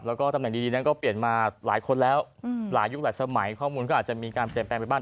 แล้วก็ตำแหน่งดีนั้นก็เปลี่ยนมาหลายคนแล้วหลายยุคหลายสมัยข้อมูลก็อาจจะมีการเปลี่ยนแปลงไปบ้าง